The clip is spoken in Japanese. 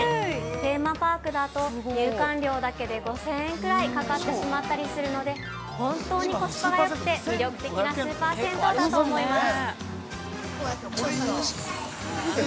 テーマパークだと入館料だけで５０００円ぐらいかかってしまったりするので本当にコスパがよくて、魅力的なスーパー銭湯だと思います。